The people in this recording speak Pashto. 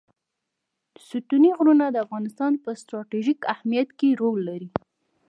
ستوني غرونه د افغانستان په ستراتیژیک اهمیت کې رول لري.